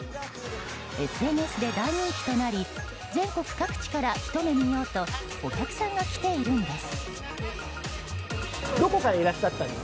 ＳＮＳで大人気となり全国各地からひと目見ようとお客さんが来ているんです。